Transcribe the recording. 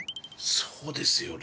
そうですよね。